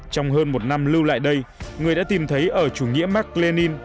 trong hơn một năm lưu lại đây người đã tìm thấy ở chủ nghĩa mark lenin